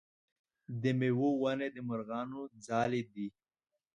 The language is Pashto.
د میوو ونې د مرغانو ځالې دي.